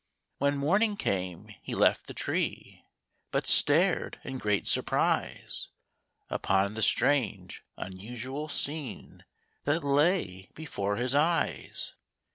When morning came he left the tree, But stared in great surprise Upon the strange, unusual scene That lay before his eyes.